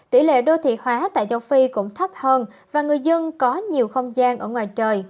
tỷ lệ đô thị hóa tại châu phi cũng thấp hơn và người dân có nhiều không gian ở ngoài trời